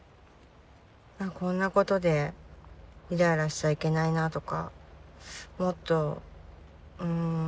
こんなことでイライラしちゃいけないなとかもっとうん。